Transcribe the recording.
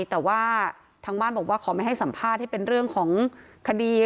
แต่ว่าทางบ้านบอกว่าขอไม่ให้สัมภาษณ์ให้เป็นเรื่องของคดี